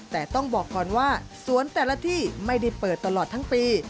แต่ต้องบอกก่อนว่าสวนแต่ละที่ไม่ได้เปิดตลอดทั้งปี